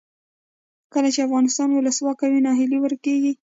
کله چې افغانستان کې ولسواکي وي ناهیلي ورکیږي.